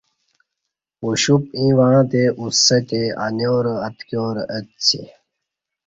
اُوشُپ ییں وعݩتے اُوستی انیارہ اتکیارہ اہڅی